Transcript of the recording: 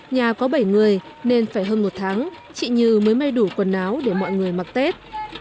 nhà có bảy người nên phải hơn một tháng chị như mới may đủ quần áo để mọi người mặc tết